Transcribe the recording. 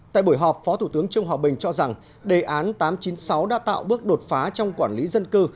tại buổi họp phó thủ tướng trương hòa bình cho rằng đề án tám trăm chín mươi sáu đã tạo bước đột phá trong quản lý dân cư